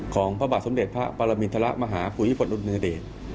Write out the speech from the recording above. ของพระบาทสมเด็จพระประมินทะละมหาภูมิพลนุษย์เนื้อเดช